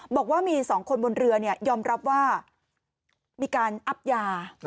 บอกว่ามี๒คนบนเรือยอมรับว่ามีการอับยา